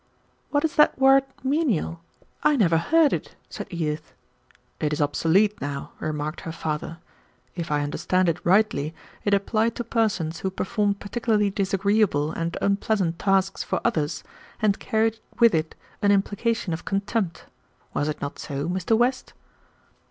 "What is that word 'menial'? I never heard it," said Edith. "It is obsolete now," remarked her father. "If I understand it rightly, it applied to persons who performed particularly disagreeable and unpleasant tasks for others, and carried with it an implication of contempt. Was it not so, Mr. West?"